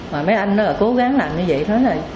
mấy anh nó cố gắng làm như vậy